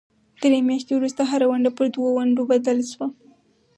درې میاشتې وروسته هره ونډه پر دوو ونډو بدله شوه.